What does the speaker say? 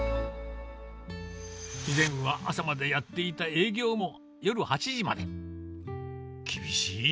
以前は朝までやっていた営業も夜８時まで。